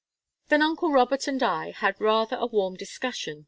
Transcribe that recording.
Then uncle Robert and I had rather a warm discussion.